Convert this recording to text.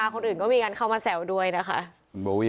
คือตอนนั้นหมากกว่าอะไรอย่างเงี้ย